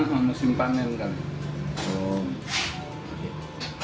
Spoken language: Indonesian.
musim panen kan